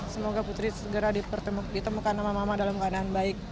semoga putri segera ditemukan sama mama dalam keadaan baik